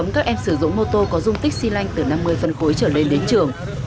các em sử dụng mô tô có dung tích xy lanh từ năm mươi phân khối trở lên đến trường